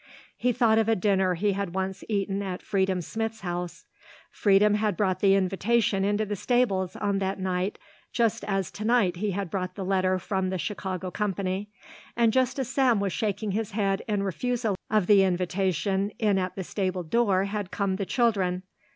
He thought of a dinner he had once eaten at Freedom Smith's house. Freedom had brought the invitation into the stables on that night just as to night he had brought the letter from the Chicago company, and just as Sam was shaking his head in refusal of the invitation in at the stable door had come the children.